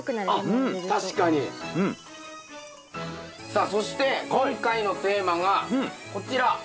さあそして今回のテーマがこちら。